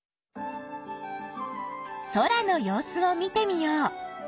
空の様子を見てみよう。